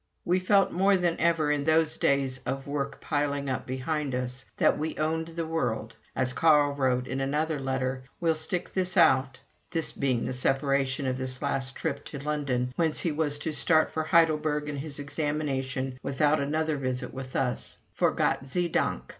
We felt more than ever, in those days of work piling up behind us, that we owned the world; as Carl wrote in another letter: "We'll stick this out [this being the separation of his last trip to London, whence he was to start for Heidelberg and his examination, without another visit with us], for, _Gott sei dank!